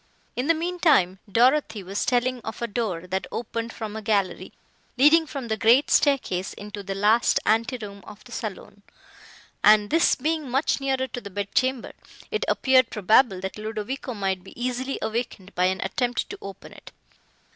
In the mean time, Dorothée was telling of a door, that opened from a gallery, leading from the great staircase into the last ante room of the saloon, and, this being much nearer to the bed chamber, it appeared probable, that Ludovico might be easily awakened by an attempt to open it.